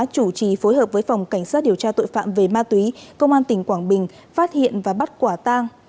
chủ trì phối hợp với phòng cảnh sát điều tra tội phạm về ma túy công an tỉnh quảng bình phát hiện và bắt quả tang